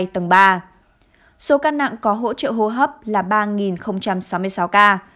tầng ba số ca nặng có hỗ trợ hô hấp là ba sáu mươi sáu ca